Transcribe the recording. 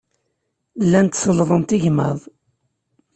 Llant sellḍent igmaḍ.